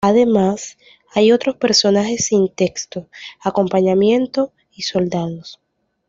Además, hay otros personajes sin texto: Acompañamiento y Soldados.